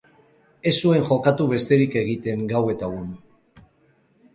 Ez zuen jokatu besterik egiten, gau eta egun.